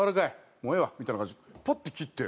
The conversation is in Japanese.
もうええわ」みたいな感じでパッて切って。